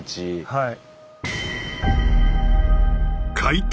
はい。